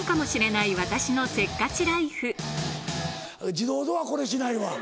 自動ドアこれしないわ。